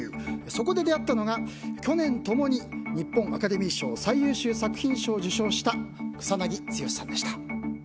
そこで出会ったのが去年、共に日本アカデミー賞最優秀作品賞を受賞した草なぎ剛さんでした。